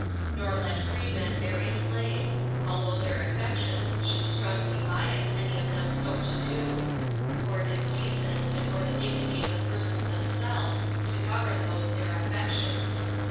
Nor let free men marry slaves, although their affections should strongly bias any of them so to do; for it is decent, and for the dignity of the persons themselves, to govern those their affections.